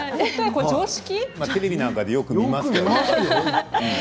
テレビなんかでよく見ますよ。